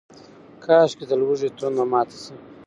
کاشکي، د لوږې تنده ماته شي